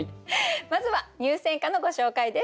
まずは入選歌のご紹介です。